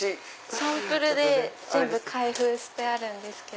サンプル全部開封してるんです。